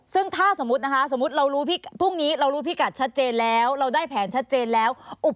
ซึ่งถ้าสมมุตินะคะเรารู้พิกัดชัดเจนแล้ว